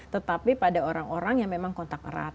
tetapi pada orang orang yang memang kontak erat